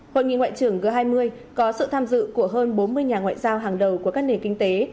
hội nghị ngoại trưởng g hai mươi có sự tham dự của hơn bốn mươi nhà ngoại giao hàng đầu của các nền kinh tế